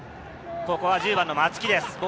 ここは１０番の松木です。